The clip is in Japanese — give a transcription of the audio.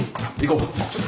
ちょっと。